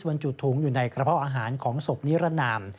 บรรจุถุงอยู่ในกระเพาะอาหารของศพนิรนาม